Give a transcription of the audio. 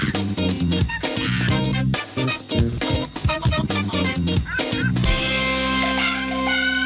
โปรดติดตามตอนต่อไป